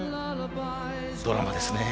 ドラマですね。